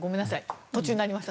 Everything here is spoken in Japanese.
途中になりました。